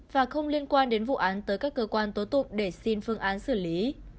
và không liên quan đến vụ án tới các cơ quan tố tụng để xin phương án xử lý